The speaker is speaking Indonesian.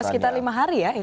sudah sekitar lima hari ya ini